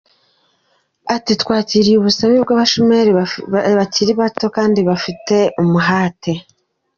Ati "Twakiriye ubusabe bw’abashoramari bakiri bato kandi bafite umuhate.